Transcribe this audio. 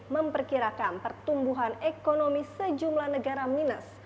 memperkirakan pertumbuhan ekonomi sejumlah negara minus